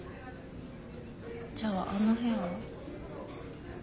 じゃあの部屋は？